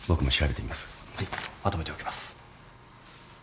はいまとめておきます。